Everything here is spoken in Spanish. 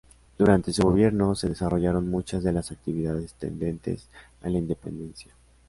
Durante su gobierno se desarrollaron muchas de las actividades tendentes a la independencia.